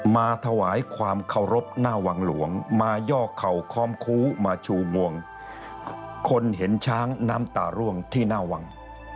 มาถวายความเคารพหน้าวังหลวงมายอกเข่าค้อมคู้มาชูงวงคนเห็นช้างน้ำตาร่วงที่หน้าวัง